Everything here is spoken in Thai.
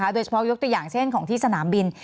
โดยเฉพาะยกตัวอย่างเช่นของที่สนามบิน